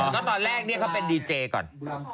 ก็ตอนแรกเนี่ยเขาเป็นดีเจก่อน